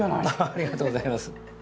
ありがとうございます。